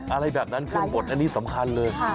อะไรแบบนั้นเครื่องบดอันนี้สำคัญเลย